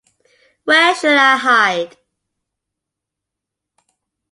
Where shall I hide?